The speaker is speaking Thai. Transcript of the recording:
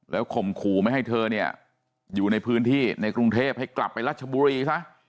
ข่มขู่ไม่ให้เธอเนี่ยอยู่ในพื้นที่ในกรุงเทพให้กลับไปรัชบุรีซะ